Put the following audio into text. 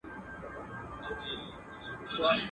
o کشکي دا اول عقل اخير واى.